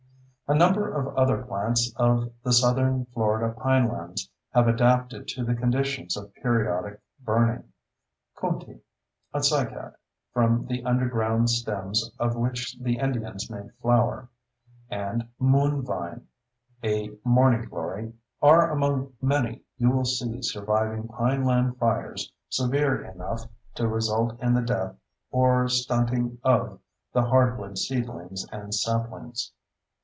A number of other plants of the south Florida pinelands have adapted to the conditions of periodic burning. Coontie (a cycad, from the underground stems of which the Indians made flour) and moon vine (a morningglory) are among many you will see surviving pineland fires severe enough to result in the death or stunting of the hardwood seedlings and saplings.